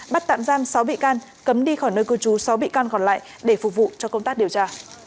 bắt tạm giam sáu bị can cấm đi khỏi nơi cư trú sáu bị can còn lại để phục vụ cho công tác điều tra